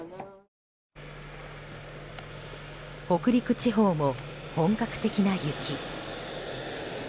北陸地方も、本格的な雪。